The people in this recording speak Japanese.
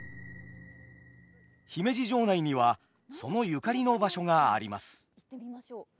姫路城内にはそのゆかりの場所があります。